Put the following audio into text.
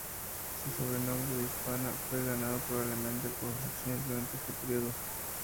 Su sobrenombre de "Hispana" fue ganado probablemente por sus acciones durante este periodo.